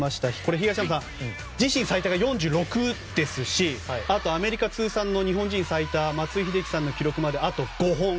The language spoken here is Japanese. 東山さん、自身最多が４６ですしあとはアメリカ通算の日本人最多松井秀喜さんの記録まであと５本。